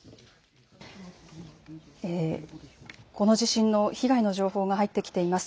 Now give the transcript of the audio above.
この地震の被害の情報が入ってきています。